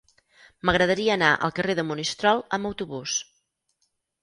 M'agradaria anar al carrer de Monistrol amb autobús.